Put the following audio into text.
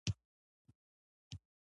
په دې حساب مو نه ځواني او نه سړېتوب لېدلې وه.